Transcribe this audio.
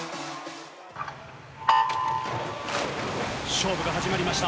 勝負が始まりました。